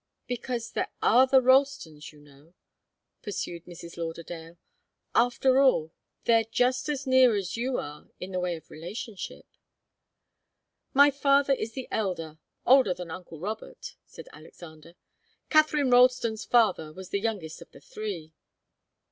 "Because there are the Ralstons, you know," pursued Mrs. Lauderdale. "After all, they're just as near as you are, in the way of relationship." "My father is the elder older than uncle Robert," said Alexander. "Katharine Ralston's father was the youngest of the three."